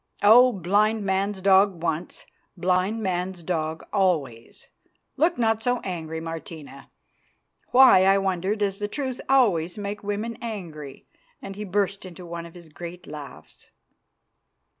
Oh! blind man's dog once, blind man's dog always! Look not so angry, Martina. Why, I wonder, does the truth always make women angry?" and he burst into one of his great laughs.